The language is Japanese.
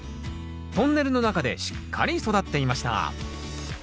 トンネルの中でしっかり育っていました。